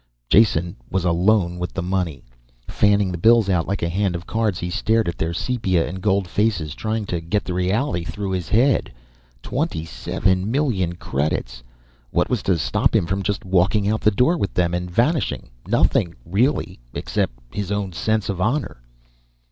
Jason was alone with the money. Fanning the bills out like a hand of cards he stared at their sepia and gold faces, trying to get the reality through his head. Twenty seven million credits. What was to stop him from just walking out the door with them and vanishing. Nothing really, except his own sense of honor.